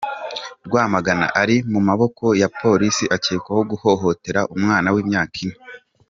Rwamagana Ari mu maboko ya Polisi akekwaho guhohotera umwana w’imyaka ine